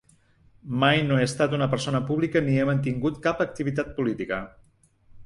Mai no he estat una persona pública ni he mantingut cap activitat política.